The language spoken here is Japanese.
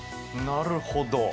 なるほど。